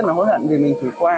nên là cũng lo lắng cũng lo lắm